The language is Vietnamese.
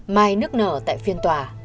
mai nức nở tại phiên tòa